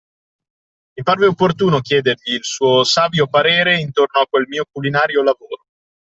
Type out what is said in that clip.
Mi parve opportuno chiedergli il suo savio parere intorno a quel mio culinario lavoro.